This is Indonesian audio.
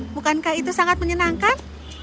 bukankah itu sangat menyenangkan